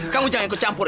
kamu jangan ikut campur